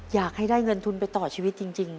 อยากให้ได้เงินทุนไปต่อชีวิตจริง